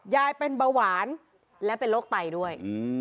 ยายเป็นเบาหวานและเป็นโรคไตด้วย